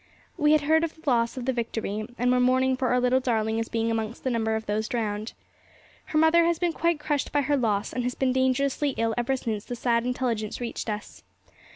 We had heard of the loss of the Victory, and were mourning for our little darling as being amongst the number of those drowned. Her mother has been quite crushed by her loss, and has been dangerously ill ever since the sad intelligence reached us.